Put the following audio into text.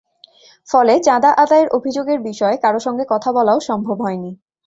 ফলে চাঁদা আদায়ের অভিযোগের বিষয়ে কারও সঙ্গে কথা বলাও সম্ভব হয়নি।